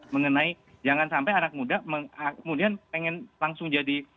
mengenai jangan sampai anak muda kemudian pengen langsung jadi